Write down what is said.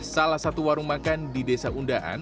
salah satu warung makan di desa undaan